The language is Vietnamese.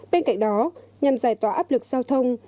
bên cạnh đó nhằm giải tỏa áp lực giao thông